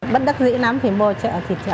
bất đắc dĩ nắm thì mua chợ thịt heo